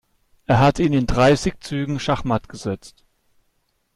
Er hat ihn in dreißig Zügen schachmatt gesetzt.